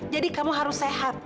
jadi kamu harus sehat